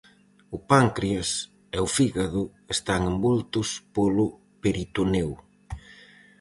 O páncreas e o fígado están envoltos polo peritoneo.